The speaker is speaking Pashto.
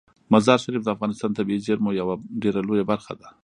مزارشریف د افغانستان د طبیعي زیرمو یوه ډیره لویه برخه ده.